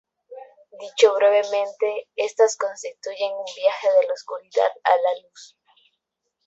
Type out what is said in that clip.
Dicho brevemente, estas constituyen un viaje de la oscuridad ala luz.